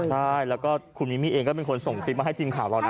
ใช่แล้วก็คุณมิมี่เองก็เป็นคนส่งคลิปมาให้ทีมข่าวเรานะ